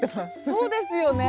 そうですよね。